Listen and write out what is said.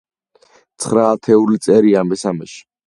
ცხრა ათეული წერია მესამეში.